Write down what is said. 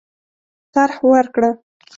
طرح ورکړه.